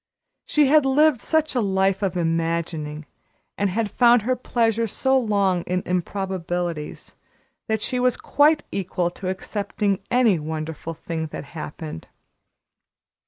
She had lived such a life of imagining, and had found her pleasure so long in improbabilities, that she was quite equal to accepting any wonderful thing that happened.